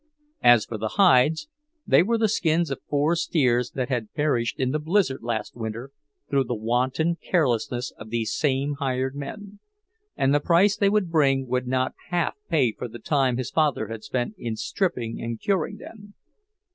As for the hides, they were the skins of four steers that had perished in the blizzard last winter through the wanton carelessness of these same hired men, and the price they would bring would not half pay for the time his father had spent in stripping and curing them.